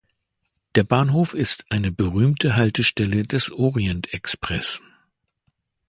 Der Bahnhof ist eine berühmte Haltestelle des Orientexpress.